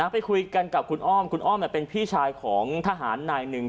ไปคุยกันกับคุณอ้อมคุณอ้อมเป็นพี่ชายของทหารนายหนึ่ง